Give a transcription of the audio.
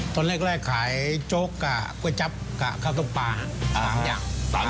ตอนแรกขายโจ๊กกับก๋วยจับกับข้าวต้มปลา๓อย่าง